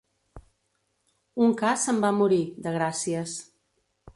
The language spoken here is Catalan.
Un ca se'n va morir, de gràcies.